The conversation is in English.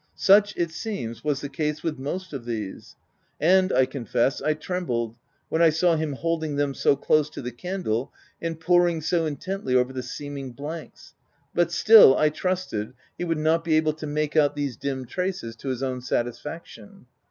Such, it seems, was the 326 THE TENANT case with most of these ; and I confess I trembled when I saw him holding them so close to the candle, and poring so intently over the seeming blanks ; but still, I trusted he would not be able to make out these dim traces to his own satisfaction.